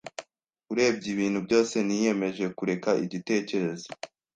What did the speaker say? Urebye ibintu byose, niyemeje kureka igitekerezo.